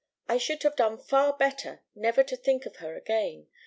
I should have done far better never to think of her again.